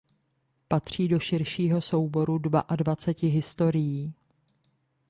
Patří do širšího souboru Dvaadvaceti historií.